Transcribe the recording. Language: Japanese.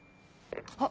あっ。